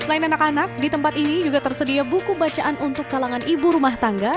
selain anak anak di tempat ini juga tersedia buku bacaan untuk kalangan ibu rumah tangga